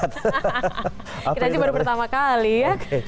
kita sih baru pertama kali ya